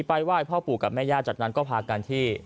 ไหว้พ่อปู่กับแม่ย่าจากนั้นก็พากันที่